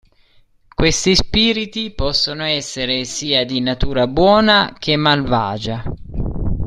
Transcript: Questi spiriti possono essere sia di natura buona che malvagia.